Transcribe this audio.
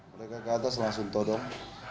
mereka ke atas langsung todong